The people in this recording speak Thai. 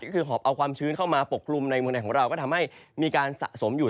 ก็คือหอบเอาความชื้นเข้ามาปกคลุมในเมืองไทยของเราก็ทำให้มีการสะสมอยู่